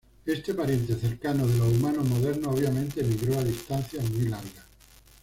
Este pariente cercano de los humanos modernos, obviamente, emigró a distancias muy largas.